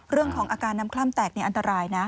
เรื่องของอาการน้ำคล่ำแตกนี่อันตรายนะ